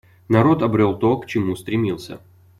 Народ обрел то, к чему стремился.